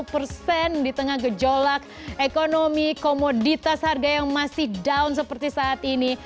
dua ratus dua puluh satu persen di tengah gejolak ekonomi komoditas harga yang masih down seperti saat ini